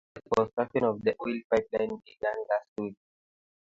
The construction of the oil pipeline began last week.